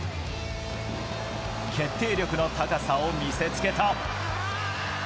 決定力の高さを見せつけた。